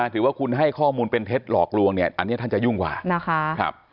ถือว่าคุณให้ข้อมูลเป็นเท็จหลอกลวงเนี่ยอันนี้ท่านจะยุ่งกว่านะคะ